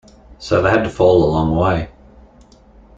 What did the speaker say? So they had to fall a long way.